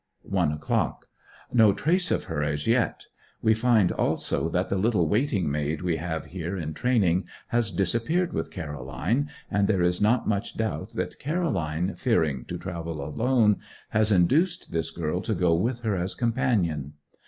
1 o'clock. No trace of her as yet. We find also that the little waiting maid we have here in training has disappeared with Caroline, and there is not much doubt that Caroline, fearing to travel alone, has induced this girl to go with her as companion.